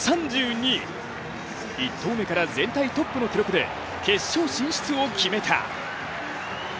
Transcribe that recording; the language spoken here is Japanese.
１投目から全体トップの記録で決勝進出を決めた。